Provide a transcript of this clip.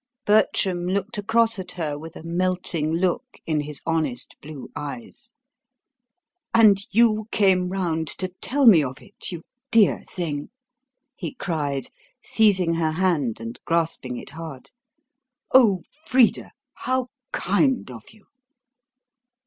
Bertram looked across at her with a melting look in his honest blue eyes. "And you came round to tell me of it, you dear thing!" he cried, seizing her hand and grasping it hard. "O Frida, how kind of you!"